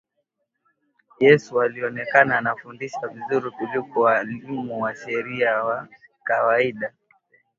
Yesu alionekana anafundisha vizuri kuliko walimu wa sheria wa kawaida